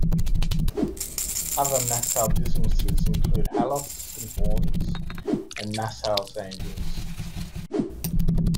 Other Massow businesses include "Halos and Horns" and "Massows Angels".